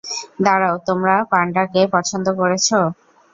দাঁড়াও, তোমরা পান্ডাকে পছন্দ করেছ?